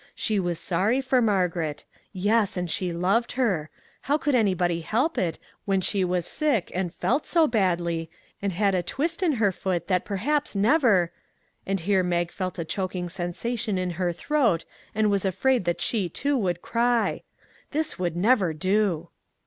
She was sorry for Margaret, yes, and she loved her! how could anybody help it, when she was sick and felt so badly, and had a twist in her foot that perhaps never and here Mag felt a choking sensation in her throat and was afraid that she too would cry. This would never do.